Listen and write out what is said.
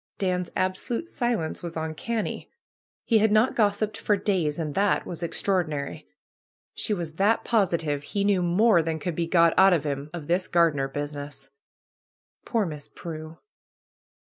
Dan's absolute silence was uncanny. He had not gos siped for days, and that was extraordinary. She was that positive he knew more than could he got out of him of this ^^gardener business." Poor Miss Prue